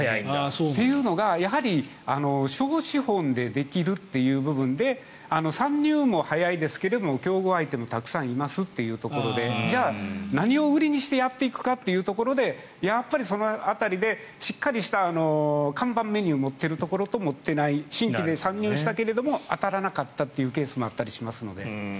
というのが、やはり小資本でできるという部分で参入も早いですが競合相手もたくさんいますというところでじゃあ、何を売りにしてやっていくかというところでその辺りでしっかりした看板メニューを持っているところと持っていないところ新規で参入したけれど当たらなかったというケースもあったりしますので。